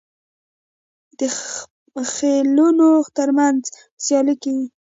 د خیلونو ترمنځ سیالي کیږي.